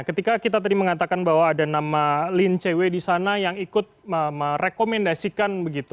ketika kita tadi mengatakan bahwa ada nama lin cw di sana yang ikut merekomendasikan begitu